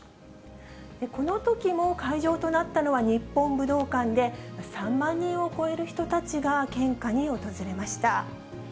このときも会場となったのは、日本武道館で、３万人を超える人たちが献花に訪れました。